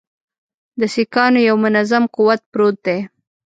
د سیکهانو یو منظم قوت پروت دی.